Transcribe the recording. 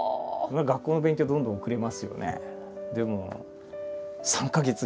学校の勉強はどんどん遅れますよね。